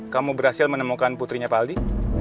kamu berhasil menemukan putrinya pak aldi